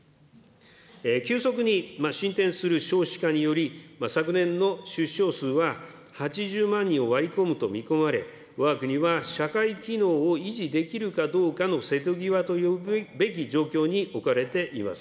急速に進展する少子化により、昨年の出生数は８０万人を割り込むと見込まれ、わが国は社会機能を維持できるかどうかの瀬戸際というべき状況に置かれています。